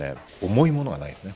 重いものはないですね。